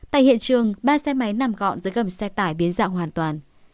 tại hiện trường ba xe máy nằm gọn dưới gầm xe tải biến dạng hoàn toàn